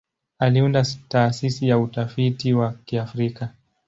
Aliunda Taasisi ya Utafiti wa Kiafrika.